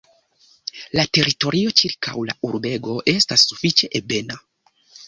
La teritorio ĉirkaŭ la urbego estas sufiĉe ebena.